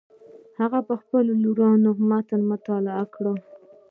هغه په خپله لورینه متن مطالعه کړ.